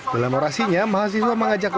dalam orasinya mahasiswa mengajak